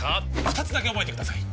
二つだけ覚えてください